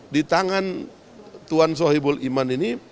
di tangan tuhan sohibul iman ini